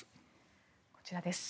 こちらです。